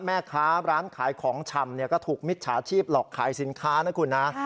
แม่ค้าร้านขายของชำก็ถูกมิจฉาชีพหลอกขายสินค้านะคุณนะ